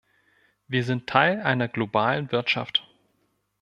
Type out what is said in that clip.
Wir sind Teil einer globalen Wirtschaft.